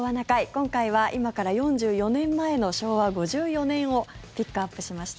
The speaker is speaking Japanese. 今回は今から４４年前の昭和５４年をピックアップしました。